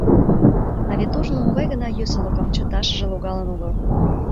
А вет ожно могай гына йӧсылыкым чыташыже логалын огыл!